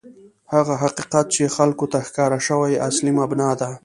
هغه حقیقت چې خلکو ته ښکاره شوی، اصلي مبنا ده.